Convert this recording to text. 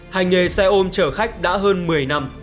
hành nghề xe ôm chở khách đã hơn một mươi năm